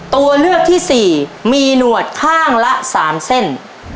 ตัวเลือกที่๔มีหนวดข้างละ๓เส้น